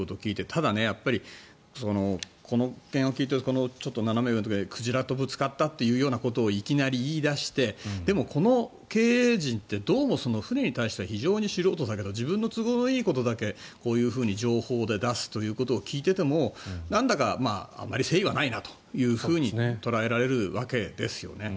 ただ、やっぱりこの一件を聞いていると鯨とぶつかったというようなことをいきなり言い出してでもこの経営陣ってどうも船に対して非常に素人だけど自分の都合のいいことだけこういうふうに情報を出すことを聞いていてもなんだか、あまり誠意はないなと捉えられるわけですよね。